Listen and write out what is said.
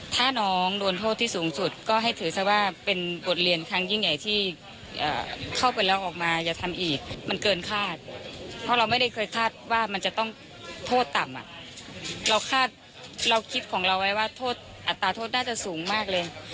ต้องโทษต่ำอ่ะเราคิดของเราไว้ว่าอัตราโทษน่าจะสูงมากเลย